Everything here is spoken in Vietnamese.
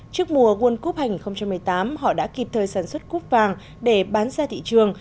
trước mùa world cup hai nghìn một mươi tám họ đã kịp thời sản xuất cúp vàng để bán ra thị trường